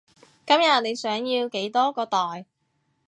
今日你想要幾多個袋？